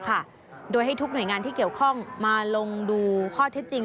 ค่ะโดยให้ทุกหน่วยงานที่เกี่ยวข้องมาลงดูข้อเท็จจริง